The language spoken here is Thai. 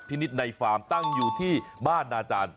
นิดในฟาร์มตั้งอยู่ที่บ้านนาจารย์